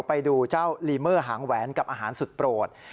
ไปดูเจ้าลีเมอร์หางแหวนกับอาหารสุดโปรด